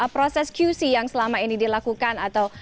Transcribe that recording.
proses qc yang selama ini dilakukan atau